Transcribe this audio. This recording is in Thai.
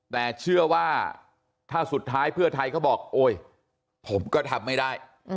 แต่เชื่อว่าถ้าสุดท้ายเพื่อไทยเขาบอกโอ๊ยผมก็ทำไม่ได้